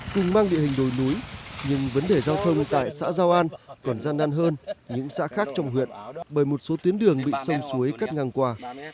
cùng mang địa hình đồi núi nhưng vấn đề giao thông tại xã giao an còn gian nan hơn những xã khác trong huyện bởi một số tuyến đường bị sông suối cắt ngang qua